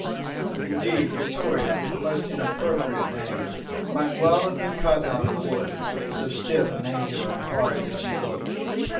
Indeed, Victoria a most inappropriate name might well have been cut out of wood, so stiff and angular and hard did she look.